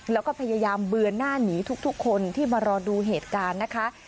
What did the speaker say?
แล้วก็พยายามเบือนหน้าหนีทุกคนที่มารอดูเหตุการณ์นะคะ